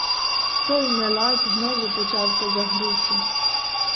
Той нелад знову почався за грушу.